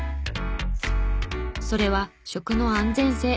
それは食の安全性。